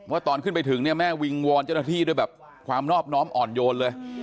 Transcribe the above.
ตอนขึ้นไปถึงเนี่ยแม่วิงวอนเจ้าหน้าที่ด้วยแบบความนอบน้อมอ่อนโยนเลย